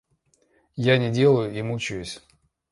Я не делаю и мучаюсь.